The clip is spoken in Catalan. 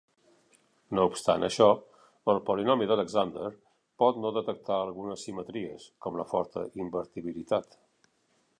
No obstant això, el polinomi d'Alexander pot no detectar algunes simetries, com la forta invertibilitat.